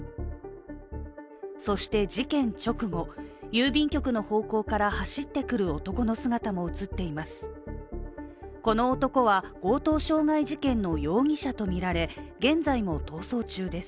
そして事件直後、郵便局の方向から走ってくる男の姿も映っています。